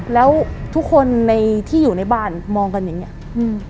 แล้วทุกคนในที่อยู่ในบ้านมองกันอย่างเงี้อืม